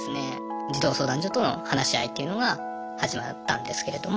児童相談所との話し合いっていうのが始まったんですけれども。